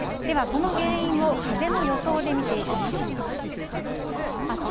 この原因を風の予想で見ていきます。